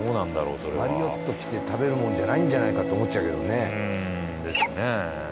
それはマリオット来て食べるもんじゃないんじゃないかって思っちゃうけどねうんですね